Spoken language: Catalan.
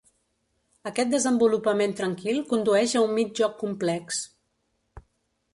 Aquest desenvolupament tranquil condueix a un mig joc complex.